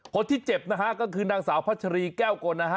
คนที่เจ็บนะฮะก็คือนางสาวพัชรีแก้วกลนะฮะ